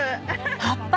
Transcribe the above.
葉っぱ？